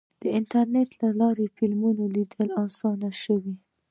د انټرنیټ له لارې فلمونه لیدل اسانه شوي.